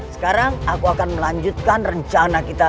sekarang aku akan melanjutkan rencana kita